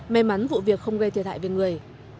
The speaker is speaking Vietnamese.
may mắn vụ việc không gây thiệt hại về người